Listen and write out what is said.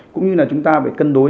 cũng như là chúng ta phải cân đối